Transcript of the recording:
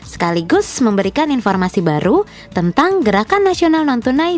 sekaligus memberikan informasi baru tentang gerakan nasional non tunai